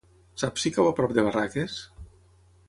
Saps si cau a prop de Barraques?